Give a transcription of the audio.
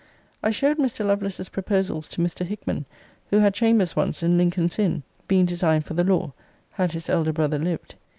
I showed Mr. Lovelace's proposals to Mr. Hickman, who had chambers once in Lincoln's inn, being designed for the law, had his elder brother lived.